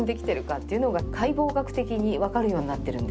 っていうのが解剖学的にわかるようになってるんです。